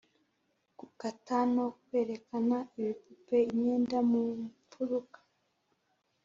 gukata no kwerekana ibipupe-imyenda mu mfuruka.